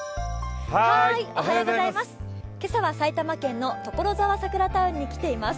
今朝は埼玉県のところざわサクラタウンに来ています。